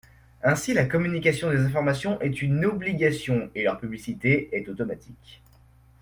Ainsi, la communication des informations est une obligation, et leur publicité est automatique.